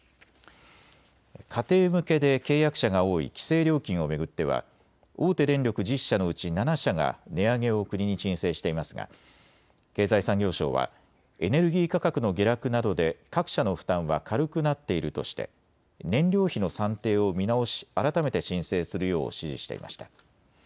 家庭向けで契約者が多い規制料金を巡っては大手電力１０社のうち７社が値上げを国に申請していますが経済産業省はエネルギー価格の下落などで各社の負担は軽くなっているとして燃料費の算定を見直し改めて申請するよう指示していました。